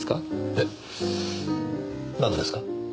えっなんですか？